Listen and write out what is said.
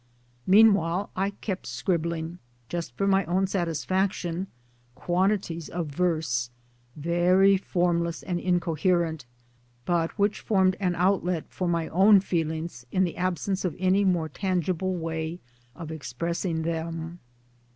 Meanwhile I kept scribbling, just for my own satisfaction, quan tities of verse, very formless and incoherent but which formed an outlet for my own feelings in the absence of any more tangible way of expressing them.